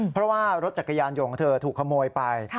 เพราะว่ารถจักรยานยนต์ของเธอถูกขโมยไป